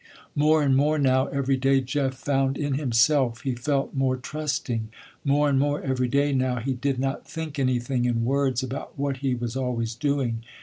More and more now every day Jeff found in himself, he felt more trusting. More and more every day now, he did not think anything in words about what he was always doing.